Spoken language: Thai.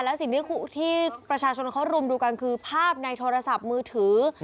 และสิ่งที่ประชาชนเขารุมดูกันคือภาพในโทรศัพท์มือถือ